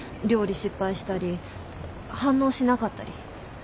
料理失敗したり反応しなかったり。